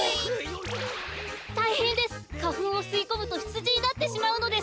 たいへんです！かふんをすいこむとひつじになってしまうのです！